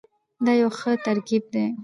دا یو ښه ترکیب دی.